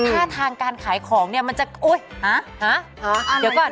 ท่าทางการขายของเนี่ยมันจะโอ๊ยฮะเดี๋ยวก่อน